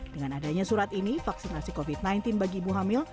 dengan adanya surat ini vaksinasi covid sembilan belas bagi ibu hamil